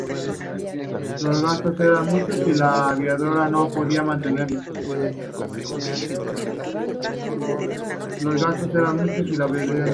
Los gastos eran muchos, y la aviadora no podía mantenerlos.